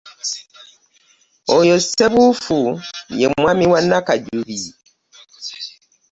Oyo Ssebuufu ye mwami wa Nakajjubi.